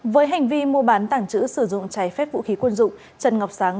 với hành vi mua bán tảng trữ sử dụng trái phép vũ khí quân dụng trần ngọc sáng